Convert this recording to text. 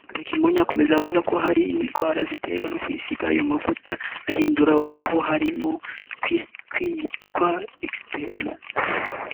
Dr Kimonyo akomeza avuga ko hari indwara ziterwa no kwisiga ayo mavuta ahindura uruhu harimo nk’iyitwa eczema